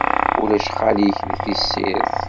Ulac xali-k, di tessirt.